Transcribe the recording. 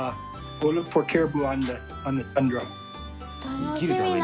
生きるために。